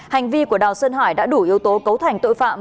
hành vi của đào sơn hải đã đủ yếu tố cấu thành tội phạm